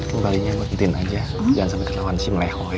tunggalinnya bu tin aja jangan sampai terlawan si melehoi